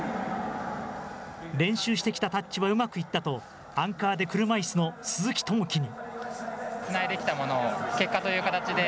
練習してきたタッチはうまくいったと、アンカーで車いすの鈴木朋樹に。